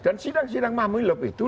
dan sidang sidang mahmilub itu